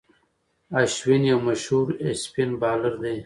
اشوين یو مشهور اسپن بالر دئ.